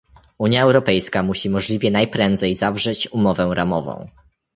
Unia Europejska musi możliwie najprędzej zawrzeć umowę ramową